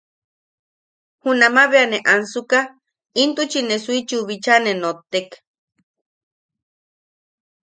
Junama bea ne ansuka intuchi ne Suichiu bicha ne nottek.